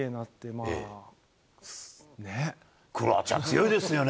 クロアチア、強いですよね。